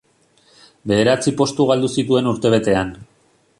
Bederatzi postu galdu zituen urtebetean.